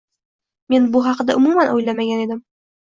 Men bu haqida umuman oʻylamagan edim